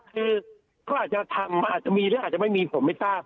คือเขาอาจจะทำอาจจะมีหรืออาจจะไม่มีผมไม่ทราบ